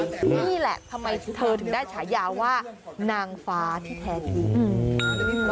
นี่แหละทำไมเธอถึงได้ฉายาว่านางฟ้าที่แท้จริง